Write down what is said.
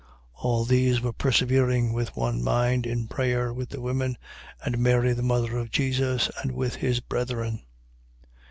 1:14. All these were persevering with one mind in prayer with the women, and Mary the mother of Jesus, and with his brethren.